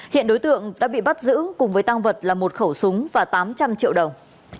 hiện đối tượng đã bị bắt giữ cùng với tăng vật là một khẩu súng và tám trăm linh triệu đồng